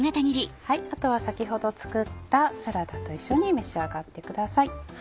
あとは先ほど作ったサラダと一緒に召し上がってください。